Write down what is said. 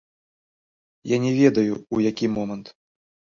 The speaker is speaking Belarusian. Я не ведаю, у які момант.